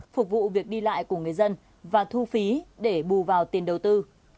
phục vụ việc đi lại của người dân và thu phí để bù vào tiền đầu tư